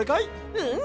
うん！